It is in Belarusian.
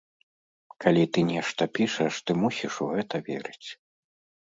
Калі ты нешта пішаш, ты мусіш у гэта верыць.